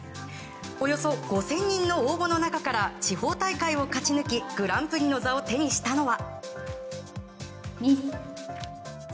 およそ５０００人の応募の中から地方大会を勝ち抜きグランプリの座を手にしたのは。